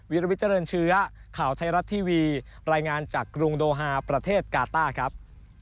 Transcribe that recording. วิทเจริญเชื้อข่าวไทยรัฐทีวีรายงานจากกรุงโดฮาประเทศกาต้าครับ